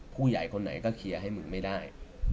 ผู้ใหญ่คนไหนก็เคลียร์ให้มึงไม่ได้